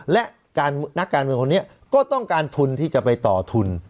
และนักการเมืองคนนี้ก็ต้องการทุนที่จะไปต่อทุน